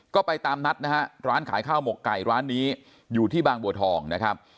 ก็ไปตามนัดนะฮะร้านขายข้าวหมกไก่ร้านนี้อยู่ที่บางบัวทองนะครับ